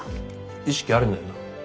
意識あるんだよな？